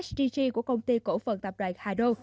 sdg của công ty cổ phần tập đoàn hado